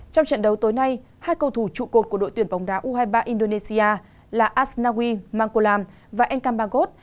trong trận đấu tối nay hai cầu thủ trụ cột của đội tuyển bóng đá u hai mươi ba indonesia là asnawi makolam và elkambagos